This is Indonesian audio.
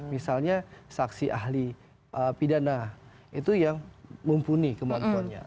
misalnya saksi ahli pidana itu yang mumpuni kemampuannya